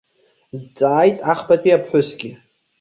Дҵааит ахԥатәи аԥҳәысгьы.